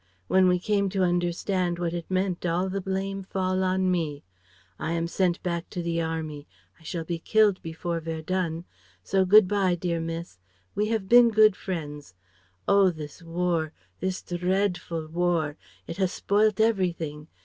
When we came to understand what it meant all the blame fall on me. I am sent back to the Army I shall be killed before Verdun, so good bye dear Miss We have been good friends. Oh this War: this d r r eadful War It has spoilt everything.